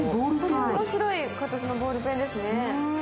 面白い形のボールペンですね。